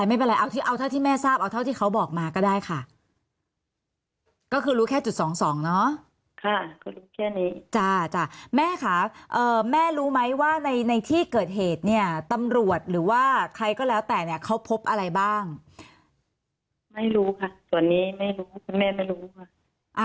ไม่รู้ค่ะตอนนี้ไม่รู้ค่ะแม่ไม่รู้ค่ะอ่าใครเป็นคนรู้ค่ะ